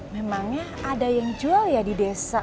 memangnya ada yang jual ya di desa